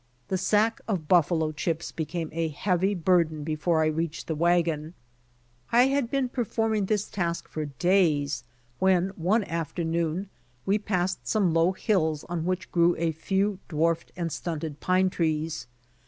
The sack of buffalo chips became a heavy burden before I reached the wagon. I had been performing this task for days, when one afternoon we passed some low hills on which grew a few dwarfed and SICK ON THE DESERT 43 Stunted pine trees.